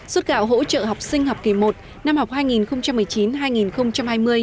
xuất gạo hỗ trợ học sinh học kỳ một năm học hai nghìn một mươi chín hai nghìn hai mươi